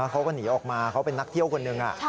เขาก็หนีออกมาเขาเป็นนักเที่ยวคนหนึ่ง